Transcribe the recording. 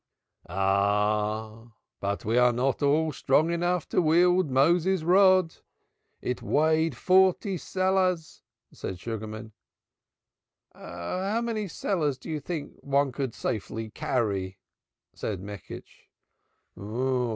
"Ah, but we are not all strong enough to wield Moses's Rod; it weighed forty seahs," said Sugarman. "How many seahs do you think one could safely carry?" said Meckisch.